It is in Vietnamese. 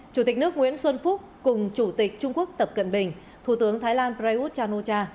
chủ tịch nước nguyễn xuân phúc cùng chủ tịch trung quốc tập cận bình thủ tướng thái lan prayuth chan o cha